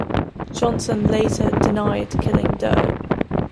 Johnson later denied killing Doe.